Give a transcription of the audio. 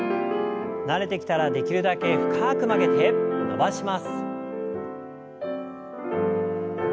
慣れてきたらできるだけ深く曲げて伸ばします。